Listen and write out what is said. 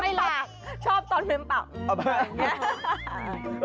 ไม่หลากชอบตอนเม้มปาก